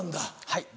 はい。